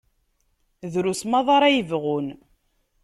Drus maḍi ara yebɣun.